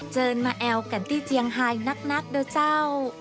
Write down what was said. เชิญมาแอวกันที่เจียงไฮนักเดอะเจ้า